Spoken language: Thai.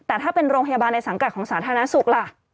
แต่ถ้าเป็นโรงพยาบาลในสังกัดของสาธารณสุขล่ะ